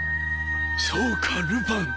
そうかルパン！